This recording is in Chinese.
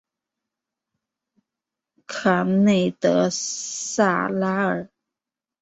卡内德萨拉尔。